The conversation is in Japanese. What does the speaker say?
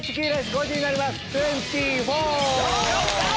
ゴチになります！